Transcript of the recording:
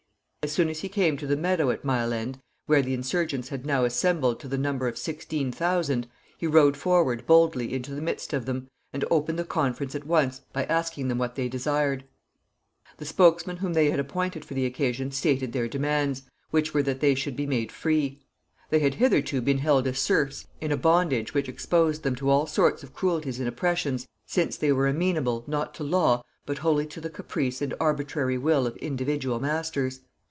As soon as he came to the meadow at Mile End, where the insurgents had now assembled to the number of sixteen thousand, he rode forward boldly into the midst of them, and opened the conference at once by asking them what they desired. The spokesman whom they had appointed for the occasion stated their demands, which were that they should be made free. They had hitherto been held as serfs, in a bondage which exposed them to all sorts of cruelties and oppressions, since they were amenable, not to law, but wholly to the caprice and arbitrary will of individual masters.